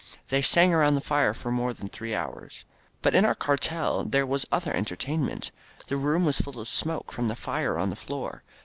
They sang around their fire for more than three hours. But in our cuartel there was other entertainment. The room was full of smoke from the fire on the floor.